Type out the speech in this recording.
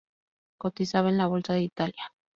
Cotizaba en la Bolsa de Italia.